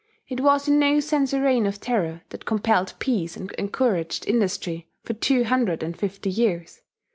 It was in no sense a reign of terror that compelled peace and encouraged industry for two hundred and fifty years.